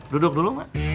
duduk dulu ma